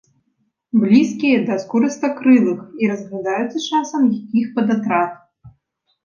Блізкія да скурыстакрылых і разглядаюцца часам як іх падатрад.